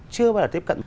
chưa bao giờ tiếp cận